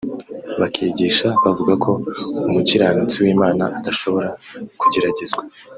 bakigisha bavuga ko umukiranutsi w’Imana adashobora kugeragezwa